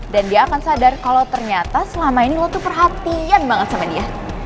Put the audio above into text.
dan dia akan sadar kalo ternyata selama ini lo tuh perhatian banget sama dia